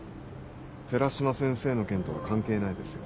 寺島先生の件とは関係ないですよ。